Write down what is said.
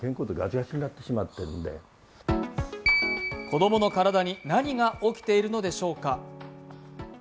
子供の体に何が起きているのでしょうか。